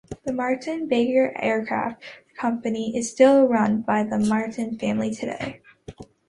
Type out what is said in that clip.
The Martin-Baker Aircraft Company is still run by the Martin family today.